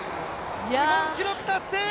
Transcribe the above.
日本記録達成！